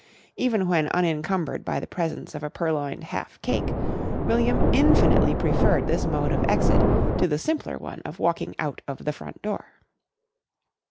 Even when unencumbered by the presence of a purloined half cake, William infinitely preferred this mode of exit to the simpler one of walking out of the front door.